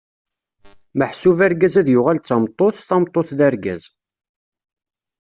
Meḥsub argaz ad d-yuɣal d tameṭṭut, tameṭṭut d argaz.